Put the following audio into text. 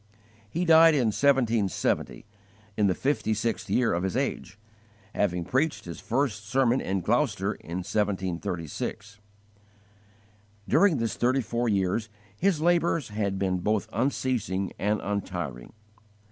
He died in 1770, in the fifty sixth year of his age, having preached his first sermon in Gloucester in 1736. During this thirty four years his labours had been both unceasing and untiring.